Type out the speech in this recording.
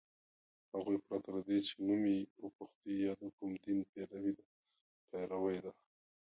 هغوی پرته له دې چي نوم یې وپوښتي یا د کوم دین پیروۍ ده